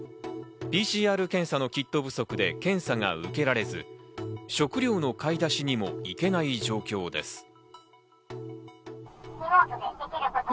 ＰＣＲ検査のキット不足で検査が受けられず、食料の買出しにも行けない状況です。